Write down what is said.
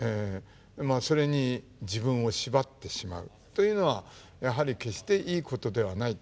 それに自分を縛ってしまうというのはやはり決していいことではない。